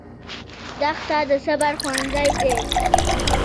دښته د صبر ښوونځی دی.